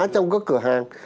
trong các cửa hàng